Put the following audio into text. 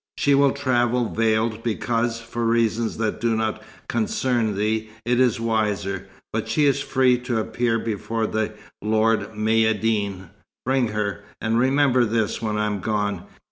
"She will travel veiled, because, for reasons that do not concern thee, it is wiser. But she is free to appear before the Lord Maïeddine. Bring her; and remember this, when I am gone.